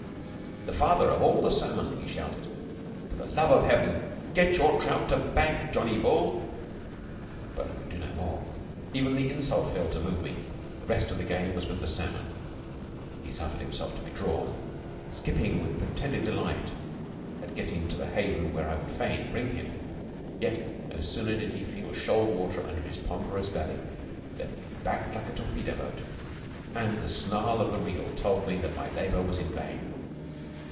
"The father of all the salmon!" he shouted. "For the love of Heaven, get your trout to bank, Johnny Bull!" But I could do no more. Even the insult failed to move me. The rest of the game was with the salmon. He suffered himself to be drawn, skip ping with pretended delight at getting to the haven where I would fain bring him. Yet no sooner did he feel shoal water under his ponderous belly than he backed like a torpedo boat, and the snarl of the reel told me that my labor was in vain.